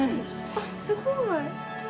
あっすごい！